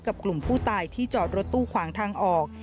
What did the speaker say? กลุ่มผู้ตายที่จอดรถตู้ขวางทางออก